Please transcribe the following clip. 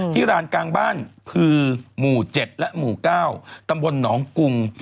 รานกลางบ้านคือหมู่๗และหมู่๙ตำบลหนองกุง